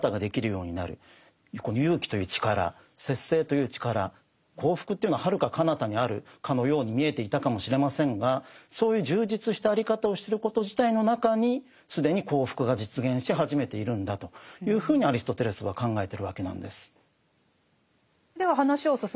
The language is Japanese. そうですね幸福というのははるかかなたにあるかのように見えていたかもしれませんがそういう充実したあり方をしてること自体の中に既に幸福が実現し始めているんだというふうにアリストテレスは考えてるわけなんです。